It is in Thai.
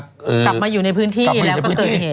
กลับมาอยู่ในพื้นที่แล้วก็เกิดเหตุ